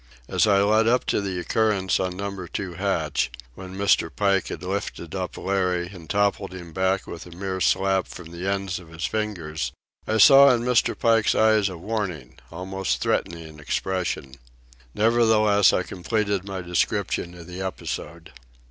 As I led up to the occurrence on Number Two hatch, when Mr. Pike had lifted up Larry and toppled him back with a mere slap from the ends of his fingers, I saw in Mr. Pike's eyes a warning, almost threatening, expression. Nevertheless, I completed my description of the episode.